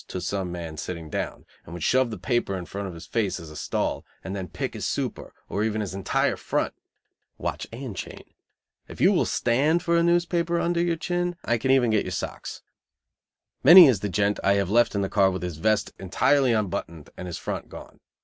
to some man sitting down, would shove the paper in front of his face as a stall, and then pick his super or even his entire "front" (watch and chain). If you will stand for a newspaper under your chin I can get even your socks. Many is the "gent" I have left in the car with his vest entirely unbuttoned and his "front" gone.